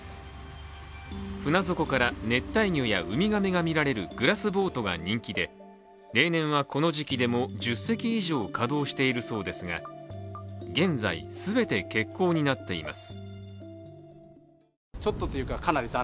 船底から熱帯魚や海亀が見られるグラスボートが人気で例年は、この時期でも１０隻以上稼働しているそうですが現在、全て欠航になっています。